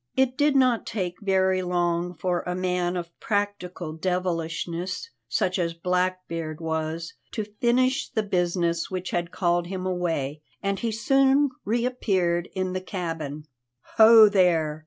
It did not take very long for a man of practical devilishness, such as Blackbeard was, to finish the business which had called him away, and he soon reappeared in the cabin. "Ho there!